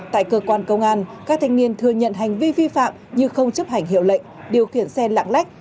tại cơ quan công an các thanh niên thừa nhận hành vi vi phạm như không chấp hành hiệu lệnh điều khiển xe lạng lách